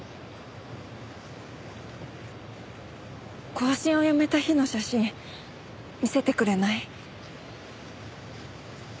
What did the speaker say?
更新をやめた日の写真見せてくれない？